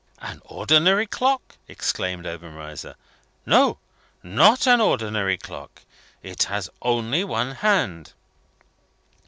"An ordinary clock," exclaimed Obenreizer. "No! Not an ordinary clock. It has only one hand."